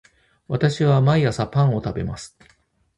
私は毎朝パンを食べます